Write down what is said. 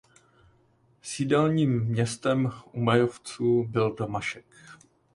Sídelním městem Umajjovců byl Damašek.